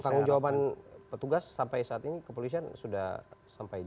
pertanggung jawaban petugas sampai saat ini kepolisian sudah sampai jauh